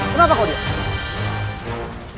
kenapa kau diam